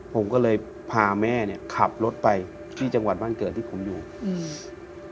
ผมก็เลยพาแม่เนี้ยขับรถไปที่จังหวัดบ้านเกิดที่ผมอยู่อืม